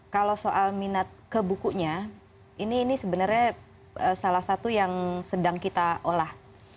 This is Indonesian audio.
kalau soal minat ke bukunya ini sebenarnya salah satu yang sedang kita olah